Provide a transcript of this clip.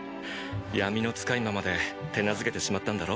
闇の使い魔まで手なずけてしまったんだろう？